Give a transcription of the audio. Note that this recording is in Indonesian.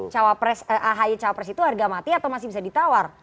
cawa pres ahi cawa pres itu harga mati atau masih bisa ditawar